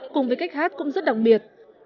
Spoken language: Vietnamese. cùng với cách hát cũng rất đặc biệt